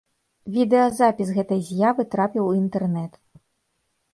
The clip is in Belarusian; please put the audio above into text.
Відэазапіс гэтай з'явы трапіў у інтэрнэт.